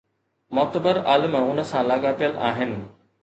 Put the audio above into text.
معتبر عالم ان سان لاڳاپيل آهن.